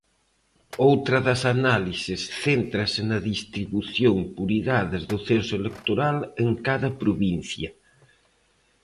Outra das análises céntrase na distribución por idades do censo electoral en cada provincia.